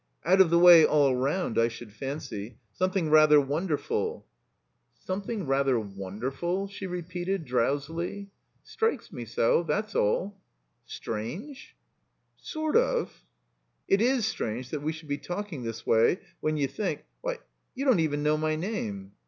"Out of the way all round, I should fancy. Some thing rather wonderful." "Something — ^rather — ^wonderful —" she repeated, drowsily. "Strikes me so — ^that's all." 6 7S THE COMBINED MAZE "Strange?" ''Sort of—" It is strange that we shotdd be talking this way — ^when you think — Why, you don't even know my name."